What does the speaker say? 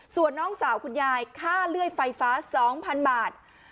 ส่วนน้องสาวคุณยายค่าเลื่อยไฟฟ้า๒๐๐๐บาท